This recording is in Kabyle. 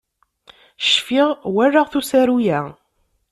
Cfiɣ walaɣ-t usaru-ya.